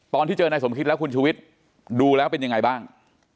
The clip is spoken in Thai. ตอนที่เจอนายสมคิตแล้วคุณชุวิตดูแล้วเป็นยังไงบ้าง